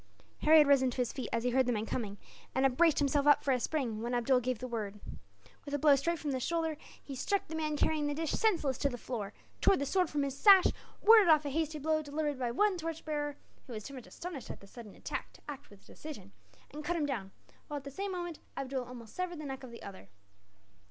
Harry had risen to his feet, as he heard the men coming; and had braced himself up for a spring, when Abdool gave the word. With a blow straight from the shoulder, he struck the man carrying the dish senseless to the floor; tore the sword from his sash; warded off a hasty blow delivered by one torch bearer, who was too much astonished at the sudden attack to act with decision, and cut him down; while, at the same moment, Abdool almost severed the neck of the other.